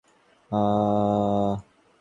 কিন্তু কেমন হতো যদি এসব ব্যাপারে তুমি না ভাবতে।